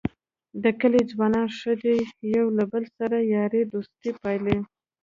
د کلي ځوانان ښه دي یو له بل سره یارۍ دوستۍ پالي.